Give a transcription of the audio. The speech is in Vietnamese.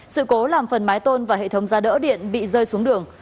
sự cố làm phần mái tôn và hệ thống ra đỡ điện bị rơi xuống đường